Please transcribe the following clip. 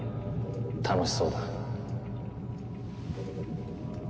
楽しそうだ。